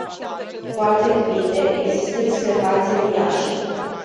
Cu alte cuvinte, există discrepanțe uriașe.